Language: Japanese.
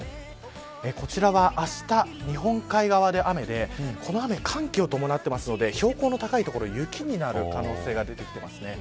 こちらは、あした日本海側で雨でこの雨、寒気を伴っているので標高の高い所、雪になる可能性が出てきてます。